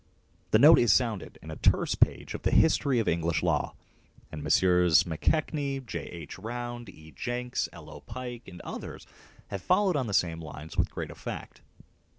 The note is sounded in a terse page of the " History of English Law," and Messrs. McKechnie, J. H. Round, E. Jenks, L. O. Pike, and others have followed on the same lines with great effect.